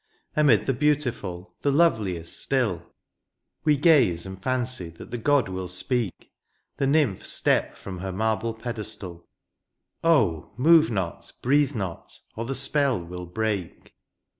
Amid the beautiful, the loveliest still ; We gaze and fancy that the god will speak. The nymph step from her marble pedestal — Oh ! move not, breathe not, or the spell will break